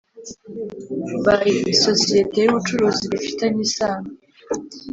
By isosiyete y ubucuruzi bifitanye isano